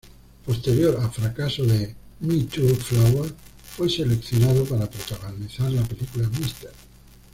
Posterior a fracaso de "Me Too, Flower", fue seleccionado para protagonizar la película "Mr.